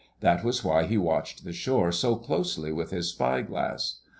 That was why he watched the shore so closely with his spyglass.